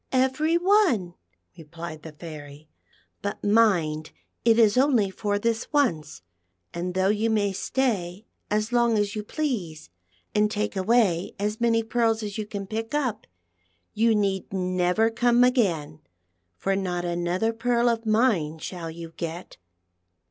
" Every one," replied the Fairy, " but mind it is only for this once ; and though you may stay as long as you please, and take away as many pearls as you can pick up, you need never come again, for not another pearl of mine shall you get."